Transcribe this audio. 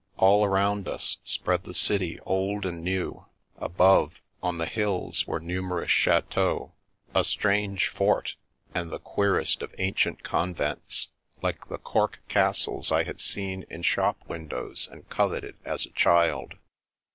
All around us spread the city old and new ; above, on the hills, were numerous chateaux, a strange fort, and the queerest of ancient convents, like the cork castles I had seen in shop windows and coveted as a child.